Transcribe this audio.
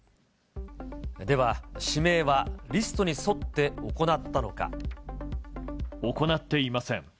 指名はリストに沿って行っていません。